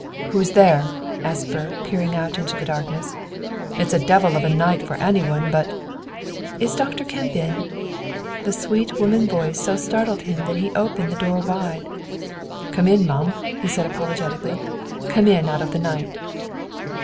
"Who's there?" asked Burke, peering out into the darkness. "It's a divil of a night for any one but " "Is Dr. Kemp in?" The sweet woman voice so startled him that he opened the door wide. "Come in, mum," he said apologetically; "come in out of the night."